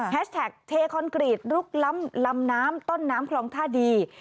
แท็กเทคอนกรีตลุกล้ำลำน้ำต้นน้ำคลองท่าดี